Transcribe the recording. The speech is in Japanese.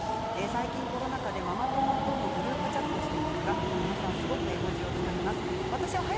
最近、コロナ禍でママ友とのグループチャットをしていますが皆さんすごく絵文字を使います。